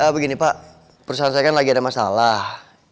begini pak persoalan saya kan lagi ada masalah